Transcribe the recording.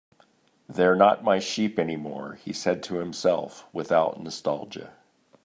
"They're not my sheep anymore," he said to himself, without nostalgia.